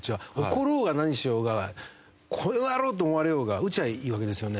怒ろうが何しようがこの野郎！と思われようが打ちゃいいわけですよね。